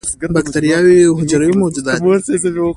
بکتریاوې یو حجروي موجودات دي